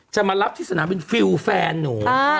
จะมารับที่สนามบินฟิลแฟนหนู